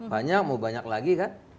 banyak mau banyak lagi kan